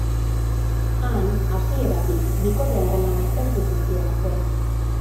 Han, hasieratik, bikote harremanak ez du funtzionatzen.